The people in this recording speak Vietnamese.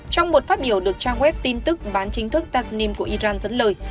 trong một phát biểu được trang web tin tức bán chính thức tasnim của iran dẫn lời